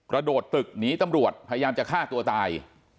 โดดตึกหนีตำรวจพยายามจะฆ่าตัวตาย